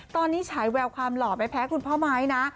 ตอนนี้ฉายแววความหล่อไม่แพ้คุณพ่อไม้นะ